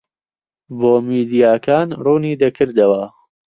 بۆ میدیاکان ڕوونی دەکردەوە